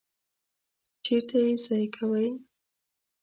چیرته ییضایع کوی؟